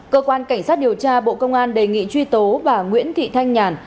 cơ quan cảnh sát điều tra bộ công an đề nghị truy tố bà nguyễn thị thanh nhàn